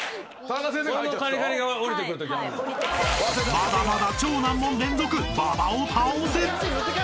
［まだまだ超難問連続馬場を倒せ］